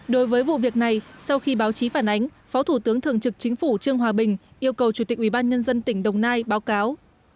đối với vụ việc này sau khi báo chí phản ánh phó thủ tướng thường trực chính phủ trương hòa bình yêu cầu chủ tịch ubnd tỉnh đồng nai báo cáo